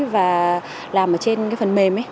và làm ở trên phần mềm